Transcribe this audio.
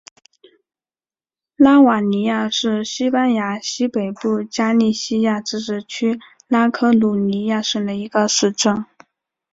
拉瓦尼亚是西班牙西北部加利西亚自治区拉科鲁尼亚省的一个市镇。